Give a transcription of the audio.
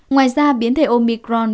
ngoài ra biến thể omicron